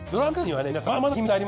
はい。